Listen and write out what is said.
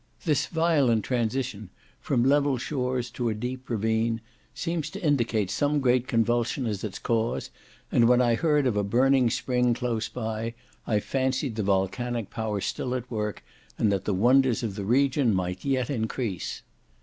This violent transition from level shores to a deep ravine, seems to indicate some great convulsion as its cause, and when I heard of a burning spring close by, I fancied the volcanic power still at work, and that the wonders of the region might yet increase.